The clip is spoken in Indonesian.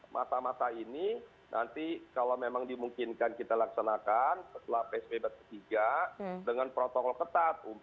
masa masa ini nanti kalau memang dimungkinkan kita laksanakan setelah psbb ketiga dengan protokol ketat